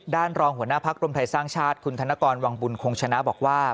รองหัวหน้าพักรวมไทยสร้างชาติคุณธนกรวังบุญคงชนะบอกว่า